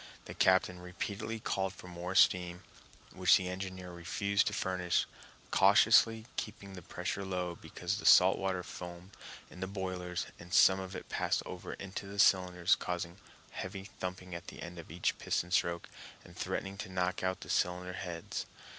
The captain repeatedly called for more steam, which the engineer refused to furnish, cautiously keeping the pressure low because the salt water foamed in the boilers and some of it passed over into the cylinders, causing heavy thumping at the end of each piston stroke, and threatening to knock out the cylinder heads.